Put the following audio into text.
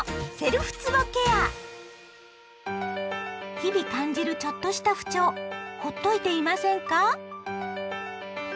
日々感じるちょっとした不調ほっといていませんか？